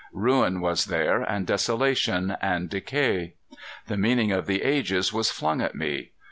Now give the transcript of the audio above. Ruin was there and desolation and decay. The meaning of the ages was flung at me.